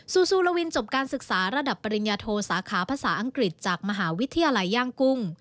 ซูลาวินจบการศึกษาระดับปริญญาโทสาขาภาษาอังกฤษจากมหาวิทยาลัยย่างกุ้ง